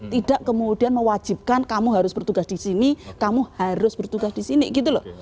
tidak kemudian mewajibkan kamu harus bertugas di sini kamu harus bertugas di sini gitu loh